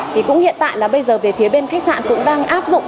thì cũng hiện tại là bây giờ về phía bên khách sạn cũng đang áp dụng